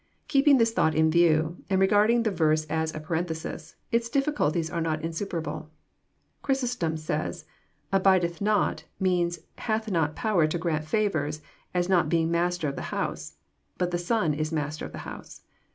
Keeping this thought in view, and regarding the verse as a parenthesis, its difficulties are not insuperable. Chrysostom says :"* Abide th not* means * hath not power to grant favours, as not being master of the house ;' but the Son is master of the house."